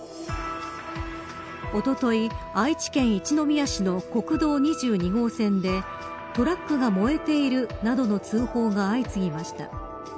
おととい、愛知県一宮市の国道２２号線でトラックが燃えているなどの通報が相次ぎました。